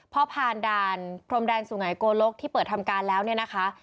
พอผ่านด่านพรมแดนสุงัยโกลกที่เปิดทำการแล้วเนี่ยนะคะ